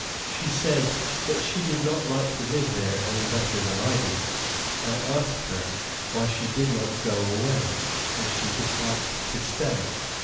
She said that she did not like to live there any better than I did. I asked her why she did not go away, if she disliked to stay.